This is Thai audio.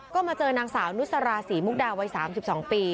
ก็มาเจอนางสาวนุสราศรีมุกดาวัย๓๒ปี